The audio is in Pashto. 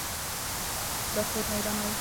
دا کور مه ورانوئ.